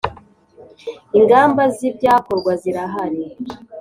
ingamba z’ ibyakorwa zirahari.